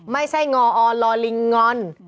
ไม่ใช่งออลอลิงงอน